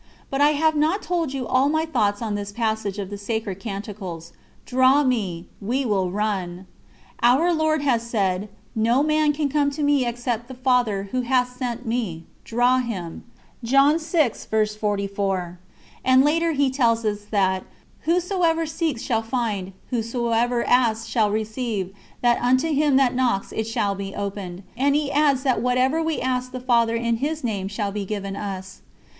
But I have not told you all my thoughts on this passage of the Sacred Canticles: "Draw me we will run!" Our Lord has said: "No man can come to Me except the Father Who hath sent Me, draw him," and later He tells us that whosoever seeks shall find, whosoever asks shall receive, that unto him that knocks it shall be opened, and He adds that whatever we ask the Father in His Name shall be given us.